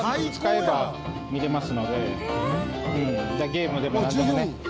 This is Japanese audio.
ゲームでもなんでもね